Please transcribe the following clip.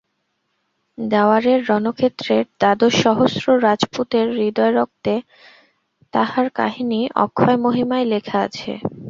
দেওয়ারের রণক্ষেত্রের দ্বাদশ সহস্র রাজপুতের হৃদয়রক্তে তাহার কাহিনী অক্ষয় মহিমায় লেখা আছে।